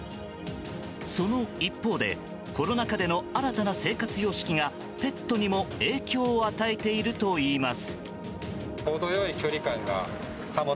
その一方でコロナ禍での新たな生活様式がペットにも影響を与えているといいます。